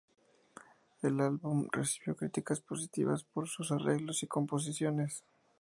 El álbum recibió críticas positivas por sus arreglos y composiciones.